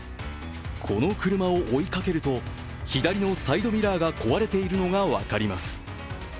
この車を追いかけると、左のサイドミラーが壊れているのが分かります。